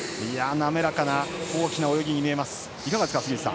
なめらかな大きな泳ぎに見えます。